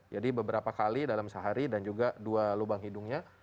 jadi beberapa kali dalam sehari dan juga dua lubang hidungnya